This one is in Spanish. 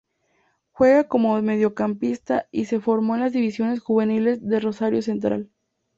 Juega como mediocampista y se formó en las divisiones juveniles de Rosario Central.